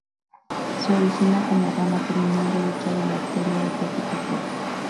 Se origina como rama terminal derecha de la arteria hepática propia.